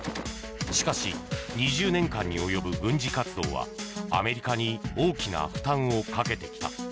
しかし、２０年間に及ぶ軍事活動はアメリカに大きな負担をかけてきた。